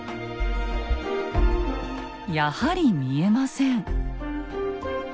やはり見えません。